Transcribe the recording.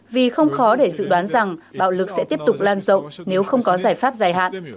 vì không khó để dự đoán rằng bạo lực sẽ tiếp tục lan rộng nếu không có giải pháp dài hạn